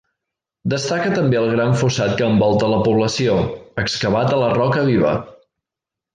Destaca també el gran fossat que envolta la població, excavat a la roca viva.